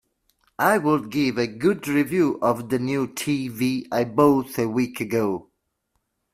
I would give a good review of the new TV I bought a week ago.